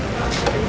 ini ini bagus